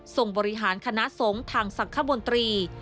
บริหารคณะสงฆ์ทางสังคมนตรี